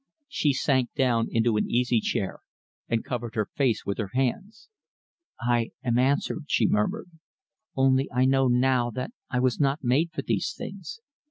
She sank down into an easy chair and covered her face with her hands. "I am answered," she murmured, "only I know now I was not made for these things.